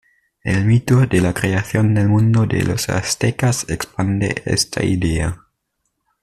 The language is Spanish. El mito de la creación del mundo de los aztecas expande esta idea.